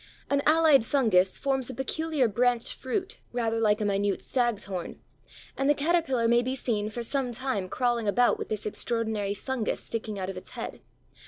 ] An allied fungus forms a peculiar branched fruit rather like a minute stag's horn, and the caterpillar may be seen for some time crawling about with this extraordinary fungus sticking out of its head.